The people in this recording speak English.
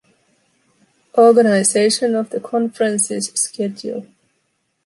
Organization of the conferences schedule.